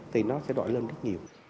thì nó sẽ đổi lên bất kỳ gì